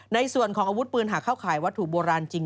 ในส่วนของอาวุธปืนหากเข้าขายวัตถุโบราณจริง